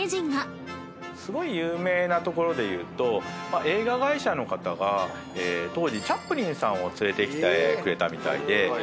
すごい有名なところでいうと映画会社の方が当時チャップリンさんを連れてきてくれたみたいで。